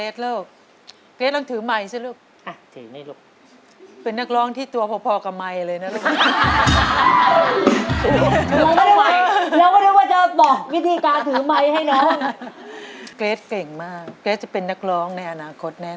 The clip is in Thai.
ได้รับคำชมจากคณะกรรมการไปทั้งสามท่านเป็นที่เรียบร้อยแล้ว